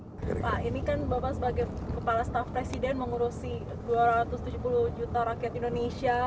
pak ini kan bapak sebagai kepala staff presiden mengurusi dua ratus tujuh puluh juta rakyat indonesia